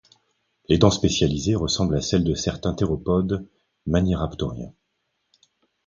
Les dents spécialisées ressemblent à celles de certains théropodes maniraptoriens.